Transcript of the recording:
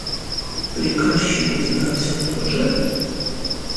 Приказчик у тебя все тот же?